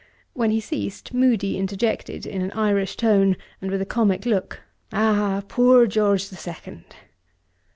When he ceased, Moody interjected, in an Irish tone, and with a comick look, 'Ah! poor George the Second.'